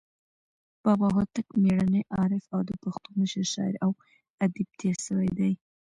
بابا هوتک میړنى، عارف او د پښتو مشر شاعر او ادیب تیر سوى دئ.